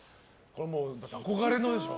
憧れのでしょ？